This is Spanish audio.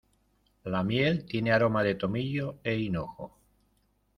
La miel tiene aroma de tomillo e hinojo.